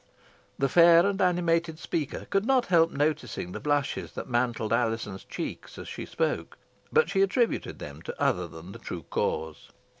The fair and animated speaker could not help noticing the blushes that mantled Alizon's cheeks as she spoke, but she attributed them to other than the true cause.